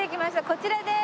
こちらです。